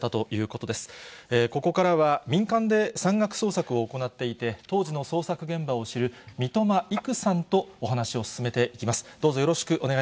ここからは、民間で山岳捜索を行っていて、当時の捜索現場を知る、三笘育さんとお話を進めていきます。